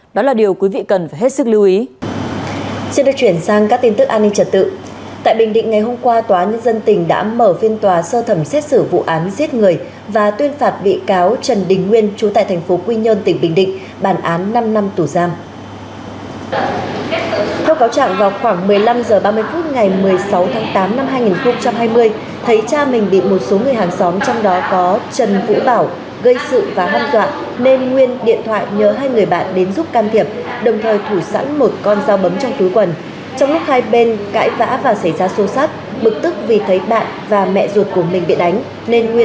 đó là điều quý vị cần phải hết sức lưu ý